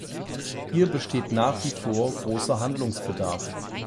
Hier besteht nach wie vor großer Handlungsbedarf.